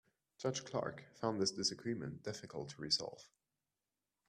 Judge Clark found this disagreement difficult to resolve.